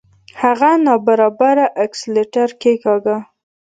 هغه ناببره اکسلېټر کېکاږه.